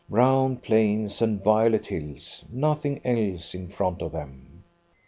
Brown plains and violet hills nothing else in front of them!